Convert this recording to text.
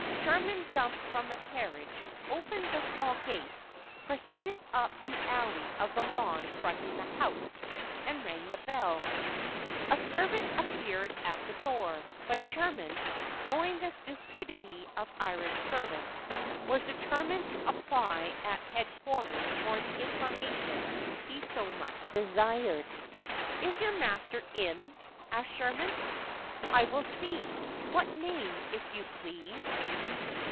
Sherman jumped from the carriage, opened the small gate, proceeded up the alley of the lawn fronting the house, and rang the bell. A servant appeared at the door; but Sherman, knowing the stupidity of Irish servants, was determined to apply at head quarters for the information he so much desired. "Is your master in?" asked Sherman. "I will see, sir. What name, if you plaze?"